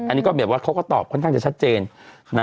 อันนี้ก็แบบว่าเขาก็ตอบค่อนข้างจะชัดเจนนะ